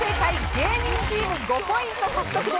芸人チーム５ポイント獲得です。